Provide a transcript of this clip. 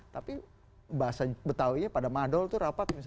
tapi bahasa betahunya pada madhol tuh rapat